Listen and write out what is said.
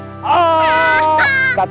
ketutup awan dikit